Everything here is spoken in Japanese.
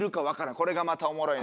これがまたおもろいねん。